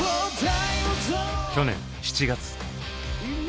去年７月。